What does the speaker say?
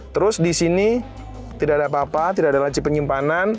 terus disini tidak ada apa apa tidak ada laci penyimpanan